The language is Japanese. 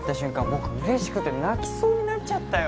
僕嬉しくて泣きそうになっちゃったよ